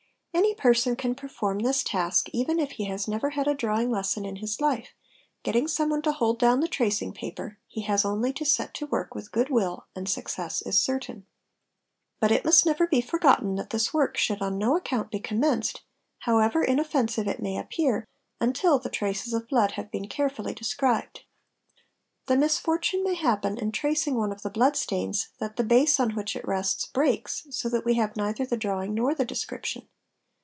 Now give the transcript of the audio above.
Any person can perform this task even if he has nevér had a drawing lesson in his life, getting someone to hold down the tracing paper, he has only to set to work with good will and success is certain. But it must never be forgotten that this work should on no account be commenced, however inoffensive it may appear, until the traces of blood have been carefully described. The misfortune may happen in tracing one of the blood stains that the base on which it rests breaks, so that we have neither the drawing nor the description.